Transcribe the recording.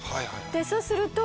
そうすると。